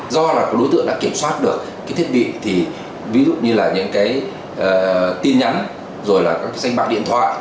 do là đối tượng đã kiểm soát được cái thiết bị thì ví dụ như là những cái tin nhắn rồi là các danh bạc điện thoại